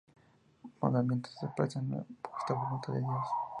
Los mandamientos, que expresan la justa voluntad de Dios.